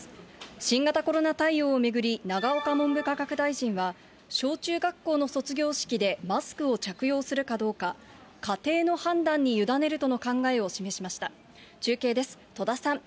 新型コロナ対応を巡り、永岡文部科学大臣は、小中学校の卒業式でマスクを着用するかどうか、家庭の判断に委ねるとの考えを示しました。